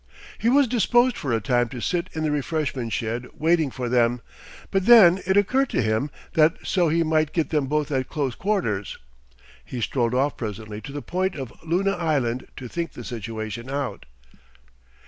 He was disposed for a time to sit in the refreshment shed waiting for them, but then it occurred to him that so he might get them both at close quarters. He strolled off presently to the point of Luna Island to think the situation out.